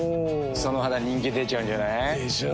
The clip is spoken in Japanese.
その肌人気出ちゃうんじゃない？でしょう。